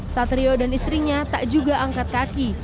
satrio dan istrinya tak juga angkat kaki